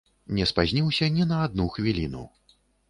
Не спазніўся ні на адну хвіліну.